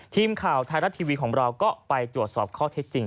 ทีมข่าวไทยรัฐทีวีของเราก็ไปตรวจสอบข้อเท็จจริง